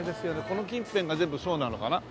この近辺が全部そうなのかな？